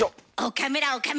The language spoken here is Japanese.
岡村岡村！